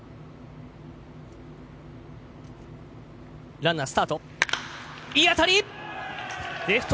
ランナースタート。